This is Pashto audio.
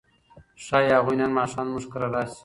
ښايي هغوی نن ماښام زموږ کره راشي.